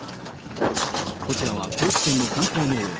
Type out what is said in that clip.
こちらは高知県の観光農園。